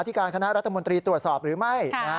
การคณะรัฐมนตรีตรวจสอบหรือไม่